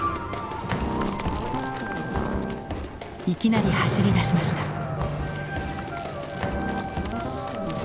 いきなり走り出しました。